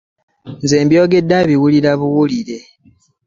Nze mbyogedde abawulira bawulire.